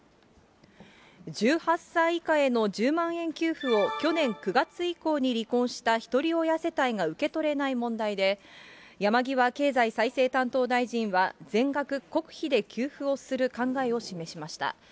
１８歳以下への１０万円給付を去年９月以降に離婚したひとり親世帯が受け取れない問題で、山際経済再生担当大臣は、全額国費で給付をする考えを示しました。